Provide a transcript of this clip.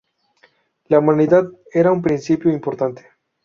La humildad era un principio importante.